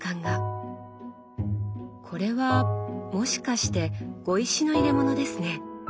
これはもしかして碁石の入れものですね。